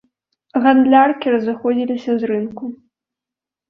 Гандляркі разыходзіліся з рынку.